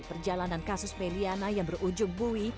perjalanan kasus may liana yang berujung buwi